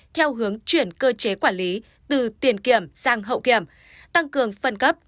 theo hướng chuyển cơ chế quản lý từ tiền kiểm sang hậu kiểm tăng cường phân cấp